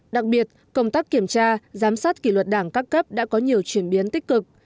đặc biệt công tác kiểm tra giám sát kỷ luật đảng các cấp đã có nhiều chuyển biến tích cực